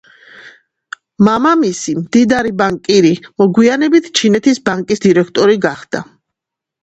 მამამისი, მდიდარი ბანკირი, მოგვიანებით ჩინეთის ბანკის დირექტორი გახდა.